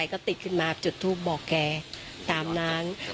ขอนะคะตา